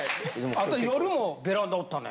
あと夜もベランダおったね。